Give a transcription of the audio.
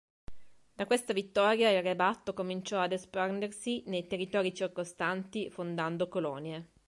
Da questa vittoria, il re Batto cominciò ad espandersi nei territori circostanti, fondando colonie.